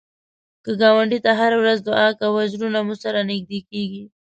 که ګاونډي ته هره ورځ دعا کوې، زړونه مو سره نږدې کېږي